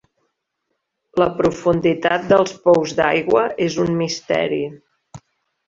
La profunditat dels pous d'aigua és un misteri.